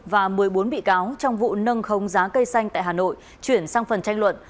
và một mươi bốn bị cáo trong vụ nâng không giá cây xanh tại hà nội chuyển sang phần tranh luận